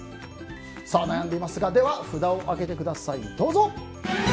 悩んでいますが札を上げてください、どうぞ。